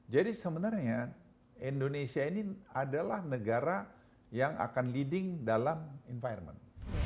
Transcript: sebenarnya indonesia ini adalah negara yang akan leading dalam environment